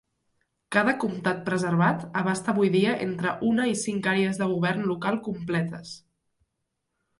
Cada comtat preservat abasta avui dia entre una i cinc àrees de govern local completes.